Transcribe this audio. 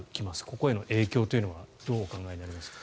ここへの影響というのはどうお考えになりますか。